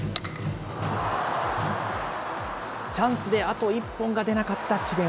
チャンスであと一本が出なかった智弁